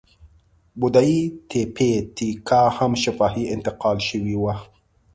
بودایي تیپي تیکا هم شفاهي انتقال شوې وه.